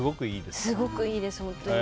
すごくいいです、本当に。